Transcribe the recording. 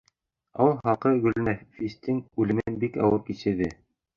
Ауыл халҡы Гөлнәфистең үлемен бик ауыр кисерҙе.